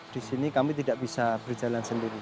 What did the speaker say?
di sini kami tidak bisa berjalan sendiri